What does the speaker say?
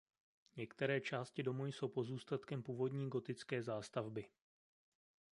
Některé části domu jsou pozůstatkem původní gotické zástavby.